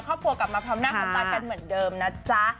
ครอบครัวกลับมาพร้อมหน้าพร้อมตากันเหมือนเดิมนะจ๊ะ